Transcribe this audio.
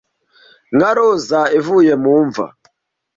nka roza ivuye mu mva